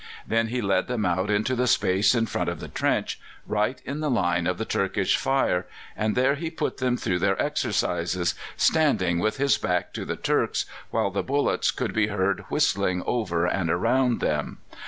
Then he led them out into the space in front of the trench, right in the line of the Turkish fire, and there he put them through their exercises, standing with his back to the Turks, while the bullets could be heard whistling over and around them.